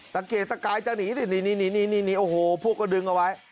ระเกตตาคายจะหนีสิหนีไปพวกเขาดึงเอาไว้